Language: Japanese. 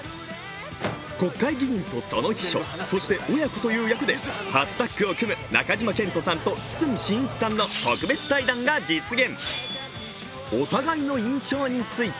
国会議員とその秘書、そして親子という役で初タッグを組む中島健人さんと堤真一さんの特別対談が実現。